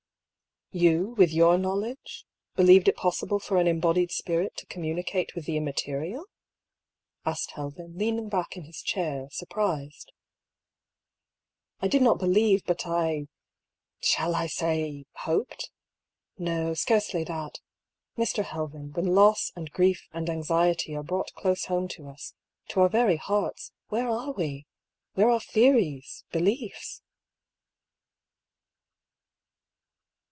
" You, with your knowledge, believed it possible for an embodied spirit to communicate with the imma terial ?" asked Helven, leaning back in his chair, sur prised. " I did not believe, but I — ^shall I say, hoped ? No, scarcely that. Mr. Helven, when loss and grief and anxiety are brought close home to us, to our very hearts, where are we ? Where are theories, beliefs